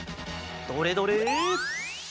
どれどれ？